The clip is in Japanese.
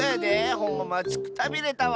ほんままちくたびれたわ。